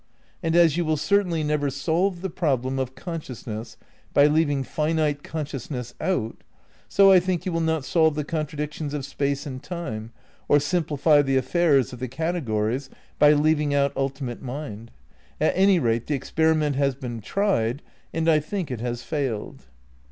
And as you will certainly never solve the problem of conscious ness by leaving finite consciousness out, so I think you will not solve the contradictions of Space and Time, or simplify the affairs of the categories, by leaving out ultimate mind. At any rate the experiment has been tried, and I think it has failed.